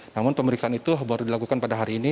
namun pemeriksaan itu baru dilakukan pada hari ini